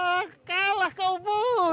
oh kalah kau bur